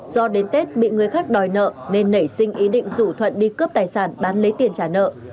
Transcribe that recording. do đến tết bị người khác đòi nợ nên nảy sinh ý định rủ thuận đi cướp tài sản bán lấy tiền trả nợ